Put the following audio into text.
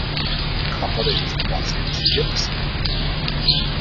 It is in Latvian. Kā pareizi uzglabāt ziemas riepas?